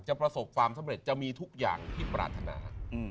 ประสบความสำเร็จจะมีทุกอย่างที่ปรารถนา